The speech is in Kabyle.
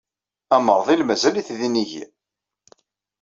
Amerḍil mazal-it d inigi.